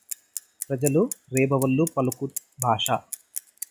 ప్రజలు రేబవళ్ళు పలుకు భాష